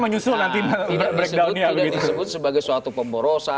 harusnya di breakdown pada level data